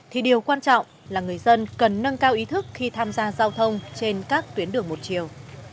thì điều quan trọng là người dân cần nâng cao ý thức khi tham gia giao thông trên các tuyến đường một chiều